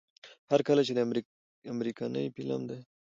هر کله چې دا امريکنے فلم دے